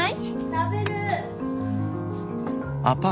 ・食べる。